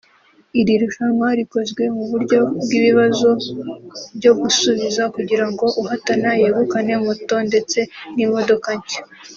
Iri rushanwa rikozwe mu buryo bw’ibibazo byo gusubiza kugira ngo uhatana yegukane moto ndetse n’imodoka nshya